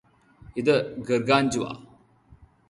ഇത് ഗർഗാഞ്ചുവ